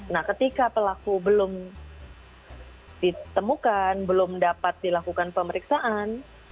nah ketika pelaku belum ditemukan belum dapat dilakukan pemeriksaan